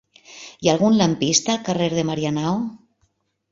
Hi ha algun lampista al carrer de Marianao?